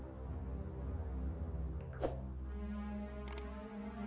terima kasih sita